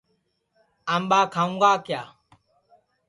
آمٻا کھاؤں گا کِیا